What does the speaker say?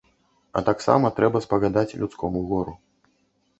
А таксама трэба спагадаць людскому гору.